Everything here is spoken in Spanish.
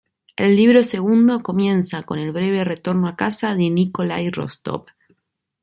El libro segundo comienza con el breve retorno a casa de Nikolái Rostov.